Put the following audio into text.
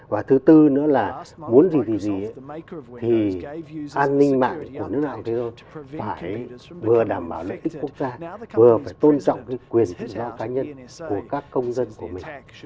và thứ tư nữa là muốn gì gì gì thì an ninh mạng của nước nào cũng thế thôi phải vừa đảm bảo lực tích quốc gia vừa phải tôn trọng cái quyền tự do cá nhân của các công dân của mình